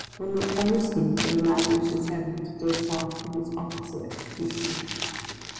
One would almost think that man wishes Heaven to take part in his office of executioner.